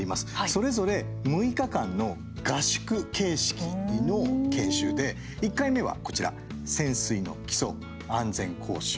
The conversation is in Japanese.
それぞれ６日間の合宿形式の研修で１回目はこちら潜水の基礎、安全講習。